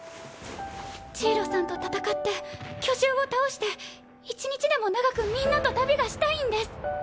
ジイロさんと戦って巨獣を倒して一日でも長くみんなと旅がしたいんです。